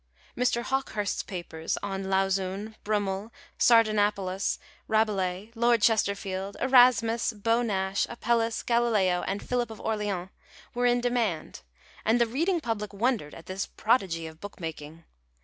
Mr. Hawkehurst's papers on Lauzun, Brummel, Sardanapalus, Rabelais, Lord Chesterfield, Erasmus, Beau Nash, Apelles, Galileo, and Philip of Orleans, were in demand, and the reading public wondered at this prodigy of book making.